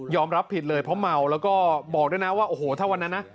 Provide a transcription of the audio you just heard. รับผิดเลยเพราะเมาแล้วก็บอกด้วยนะว่าโอ้โหถ้าวันนั้นนะ